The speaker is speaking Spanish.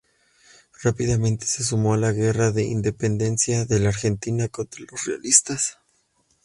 Rápidamente se sumó a la Guerra de independencia de la Argentina contra los realistas.